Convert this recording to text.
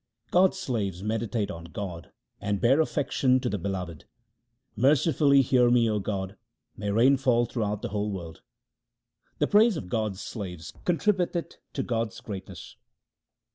God's slaves meditate on God and bear affection to the Beloved. Mercifully hear me, O God ; may rain fall throughout the whole world ! The praise of God's slaves contributeth to God's great ness.